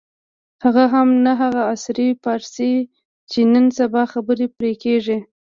هغه هم نه هغه عصري فارسي چې نن سبا خبرې پرې کېږي.